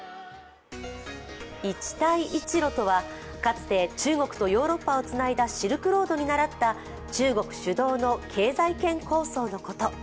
一帯一路とはかつて中国とヨーロッパをつないだシルクロードにならった中国主導の経済圏構想のこと。